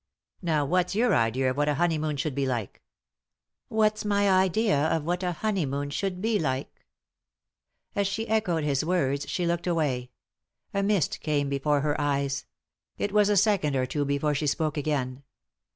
Now what's your idea of what a honeymoon should be like 7 "" What's my idea of what a honey moon should be like ?" As she echoed bis words she looked away. A mist came before her eyes. It was a second or two before she spoke again.